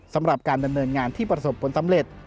สำหรับการดำเนินงานที่ประสบผลสำเร็จ